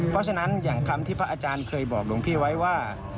เพราะฉะนั้นอย่างคำที่พระอาจารย์เคยบอกหลวงพี่ไว้ว่า